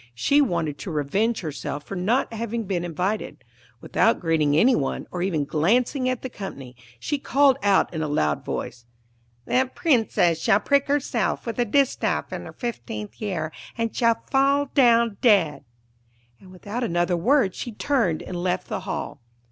She wanted to revenge herself for not having been invited. Without greeting any one, or even glancing at the company, she called out in a loud voice: 'The Princess shall prick herself with a distaff in her fifteenth year and shall fall down dead'; and without another word she turned and left the hall.